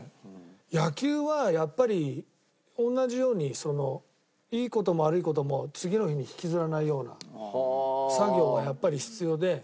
野球はやっぱり同じようにいい事も悪い事も次の日に引きずらないような作業がやっぱり必要で。